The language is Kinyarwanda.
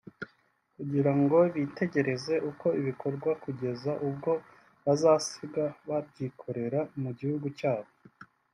kugira ngo bitegereze uko bikorwa kugeza ubwo bazasigara babyikorera mu gihugu cyabo